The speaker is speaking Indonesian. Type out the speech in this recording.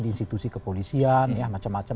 di institusi kepolisian ya macam macam